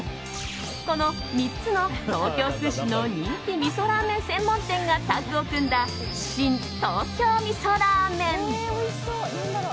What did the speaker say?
この３つの、東京屈指の人気味噌ラーメン専門店がタッグを組んだシン・東京味噌ラーメン。